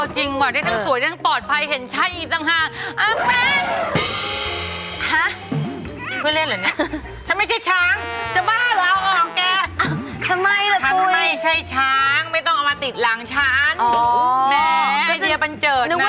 อ๋อจริงเหรอได้ทั้งสวยได้ทั้งปลอดภัยเห็นใช่ต่างหากเอาแป๊บ